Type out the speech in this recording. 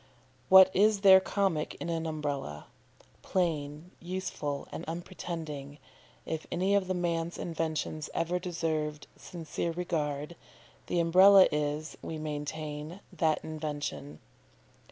What is there comic in an Umbrella? Plain, useful, and unpretending, if any of man's inventions ever deserved sincere regard, the Umbrella is, we maintain, that invention.